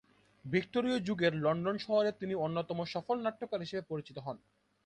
ভিক্টোরীয় যুগের লন্ডন শহরে তিনি অন্যতম সফল নাট্যকার হিসেবে পরিচিত হন।